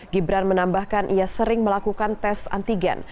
gibran menambahkan ia sering melakukan tes antigen